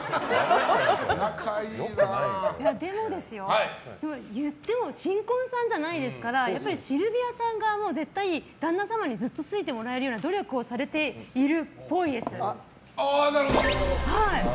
でも、言っても新婚さんじゃないですからシルビアさん側も絶対、旦那様にずっと好いてもらえるような努力をされているっぽいです。